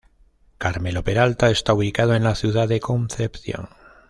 Carmelo Peralta" está ubicado en la ciudad de Concepción.